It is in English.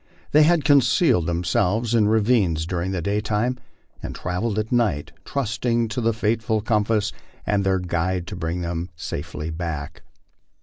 They had concealed themselves in ravines during the daytime and travelled at night, trusting to the faithful compass and their guide to bring them safely back.